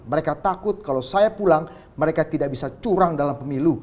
mereka takut kalau saya pulang mereka tidak bisa curang dalam pemilu